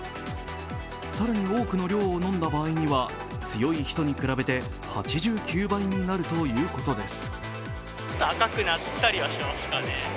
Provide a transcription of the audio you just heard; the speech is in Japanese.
更に多くの量を飲んだ場合には強い人に比べて８９倍になるということです。